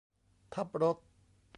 ทับรถ